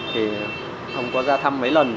thì không có ra thăm mấy lần